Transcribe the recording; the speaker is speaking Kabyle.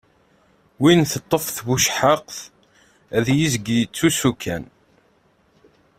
Win teṭṭef tbucehhaqt, ad yezg yettusu kan.